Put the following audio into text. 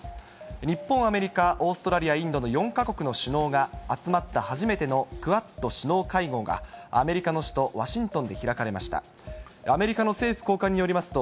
日本、アメリカ、オーストラリア、インドの４か国の首脳が集まった初めてのクアッド首脳会合がアメリカの首都ワシントンで開かれました。